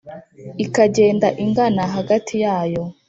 ikagenda ingana hagati yayo